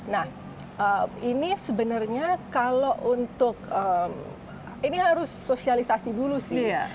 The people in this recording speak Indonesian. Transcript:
nah ini sebenarnya kalau untuk ini harus sosialisasi dulu sih